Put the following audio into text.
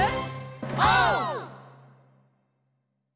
オー！